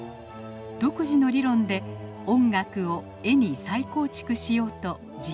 独自の理論で音楽を絵に再構築しようと実験を重ねました。